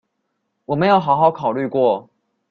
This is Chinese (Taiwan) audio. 我沒有好好考慮過